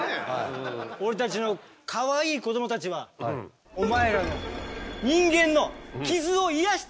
俺たちのかわいい子どもたちはお前らの人間の傷を癒やしてんだぞ。